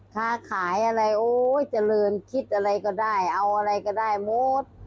ค้าขายอะไรโอ๊ยเจริญคิดอะไรก็ได้เอาอะไรก็ได้หมด